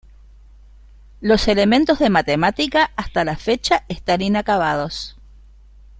Los "Elementos de matemática", hasta la fecha, están inacabados.